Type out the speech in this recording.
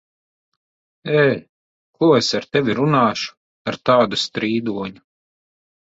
Ē! Ko es ar tevi runāšu, ar tādu strīdoņu?